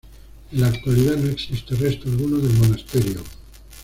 En la actualidad no existe resto alguno del monasterio.